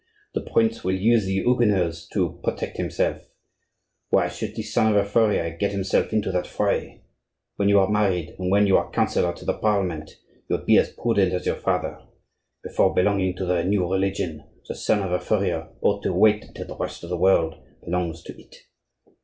The prince will use the Huguenots to protect himself. Why should the son of a furrier get himself into that fray? When you are married, and when you are councillor to the Parliament, you will be as prudent as your father. Before belonging to the new religion, the son of a furrier ought to wait until the rest of the world belongs to it.